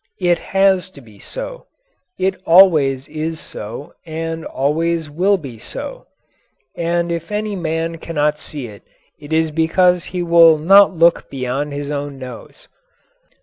It has to be so. It always is so and always will be so. And if any man cannot see it, it is because he will not look beyond his own nose.